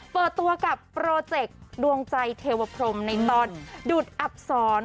เปิดตัวกับโปรเจกต์ดวงใจเทวพรมในตอนดุดอับสอน